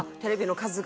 数が。